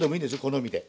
好みで。